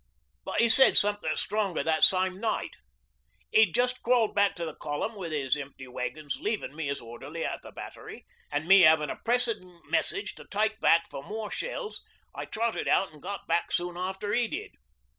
'But 'e said something stronger that same night. He'd just crawled back to the Column wi' his empty wagons leavin' me as orderly at the Battery, an' me havin' a pressin' message to take back for more shells I trotted out an' got back soon after he did.